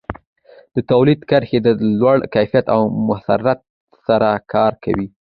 تولیدي کرښې د لوړ ظرفیت او موثریت سره کار کوي.